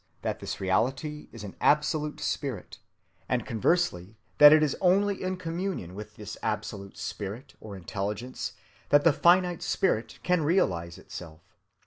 that this reality is an absolute Spirit, and conversely that it is only in communion with this absolute Spirit or Intelligence that the finite Spirit can realize itself.